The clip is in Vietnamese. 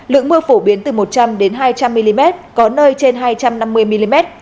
lượng mưa phổ biến từ một trăm linh hai trăm linh mm có nơi trên hai trăm năm mươi mm